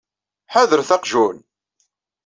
Ḥadret aqjun!